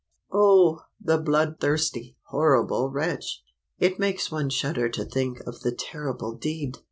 Oh, the blood thirsty, horrible wretch ! It makes one shudder to think of the terrible deed!